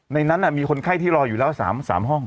ในนั้นมีคนไข้ที่รออยู่แล้ว๓ห้อง